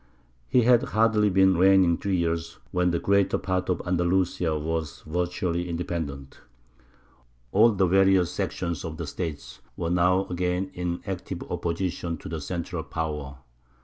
He had hardly been reigning three years when the greater part of Andalusia was virtually independent. All the various factions of the State were now again in active opposition to the central power.